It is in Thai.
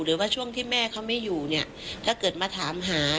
หรือว่าช่วงที่แม่เขาไม่อยู่เนี่ยถ้าเกิดมาถามหา